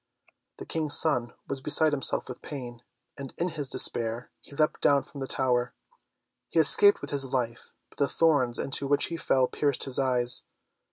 The King's son was beside himself with pain, and in his despair he leapt down from the tower. He escaped with his life, but the thorns into which he fell, pierced his eyes.